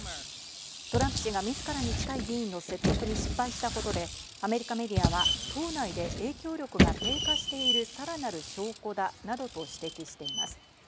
トランプ氏がみずからに近い議員の説得に失敗したことでアメリカメディアは党内で影響力が低下しているさらなる証拠だなどと指摘しています。